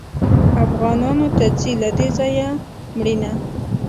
افغانانو ته ځي له دې ځایه مړینه